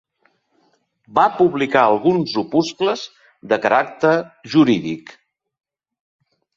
Va publicar alguns opuscles de caràcter jurídic.